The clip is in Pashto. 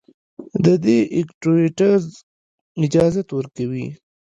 د دې ايکټويټيز اجازت ورکوي